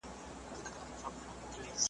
ښار له مځکي سره سم دی هدیره ده `